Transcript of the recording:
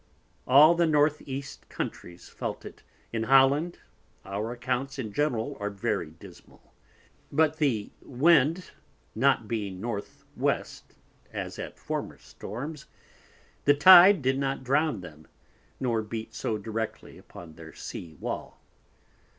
All the N. East Countries felt it, in Holland our accounts in general are very dismal, but the Wind not being N.W. as at former Storms, the Tyde did not drown them, nor beat so directly upon their Sea Wall.